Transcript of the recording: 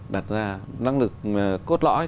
đặt ra năng lực cốt lõi